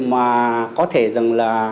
mà có thể rằng là